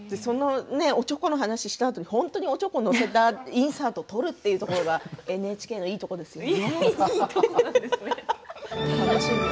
おちょこの話をしたあとに本当におちょこを乗せたインサートを取るところがＮＨＫのいいところですよね。